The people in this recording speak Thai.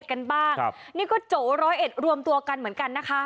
กันบ้างครับนี่ก็โจร้อยเอ็ดรวมตัวกันเหมือนกันนะคะ